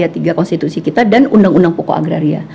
tiga konstitusi kita dan undang undang poko agraria